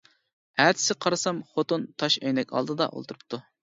ئەتىسى قارىسام خوتۇم تاش ئەينەك ئالدىدا ئولتۇرۇپتۇ.